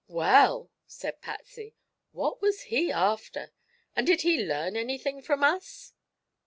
"Well," said Patsy. "what was he after? And did he learn anything from us?"